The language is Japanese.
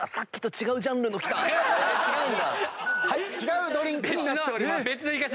違うの⁉違うドリンクになっております。